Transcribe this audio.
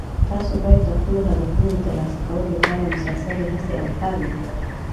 تاسو باید د خپلو هدفونو د ترلاسه کولو لپاره مسلسلي هڅې او کار وکړئ